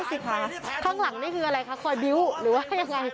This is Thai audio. เอาพอดีพอดี